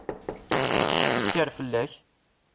Kker fell-ak!